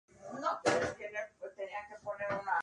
Se desempeñó allí durante dos años.